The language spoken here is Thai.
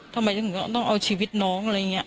ทำไมถึงต้องเอาชีวิตน้องอะไรอย่างนี้